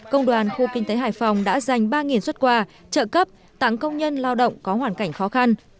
công đoàn khu kinh tế hải phòng đã dành ba xuất quà trợ cấp tặng công nhân lao động có hoàn cảnh khó khăn